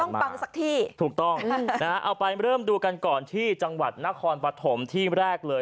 ปังสักที่ถูกต้องเอาไปเริ่มดูกันก่อนที่จังหวัดนครปฐมที่แรกเลย